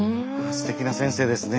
すてきな先生ですね。